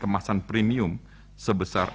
kemasan premium sebesar